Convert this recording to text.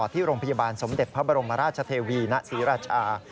ที่โรงพยาบาลสมเด็จพระบรมราชเทวีณศรีราชา